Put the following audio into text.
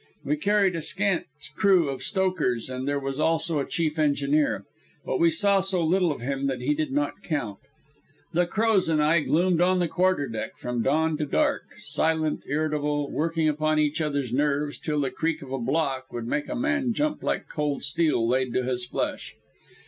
We carried a scant crew of stokers, and there was also a chief engineer. But we saw so little of him that he did not count. The Crows and I gloomed on the quarterdeck from dawn to dark, silent, irritable, working upon each other's nerves till the creak of a block would make a man jump like cold steel laid to his flesh.